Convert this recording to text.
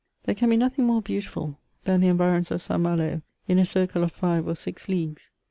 There can be nothing more beautiful than the environs of Saint Malo, in a circle of five or six leagues.